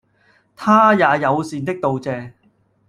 她也友善的道謝